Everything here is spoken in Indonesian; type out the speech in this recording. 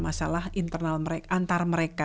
masalah internal antara mereka